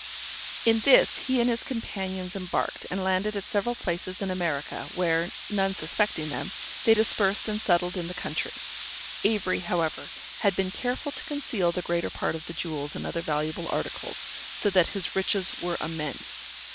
In this he and his companions embarked, and landed at several places in America, where, none suspecting them, they dispersed and settled in the country. Avery, however, had been careful to conceal the greater part of the jewels and other valuable articles, so that his riches were immense.